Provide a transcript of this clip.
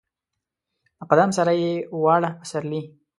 د قدم سره یې واړه پسرلي